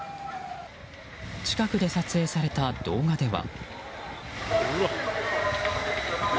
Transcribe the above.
近くで撮影された動画では。